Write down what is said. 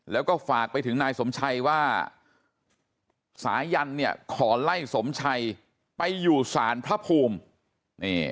แล้วก็ฝากไปถึงนายสมชัยว่าสายันเนี่ยขอไล่สมชัยไปอยู่สารพระภูมินี่